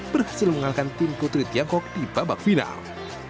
berhasil menganggarkan tim putri tiangkok di babak final